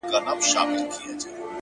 دا ستا شعرونه مي د زړه آواز دى!!